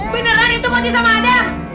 beneran itu mochi sama adam